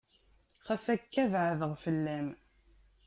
Xas akka beɛdeɣ fell-am.